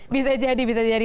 bisa jadi bisa jadi